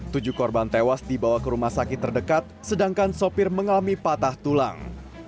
tujuh korban tewas dibawa ke rumah sakit terdekat sedangkan sopir mengalami patah tulang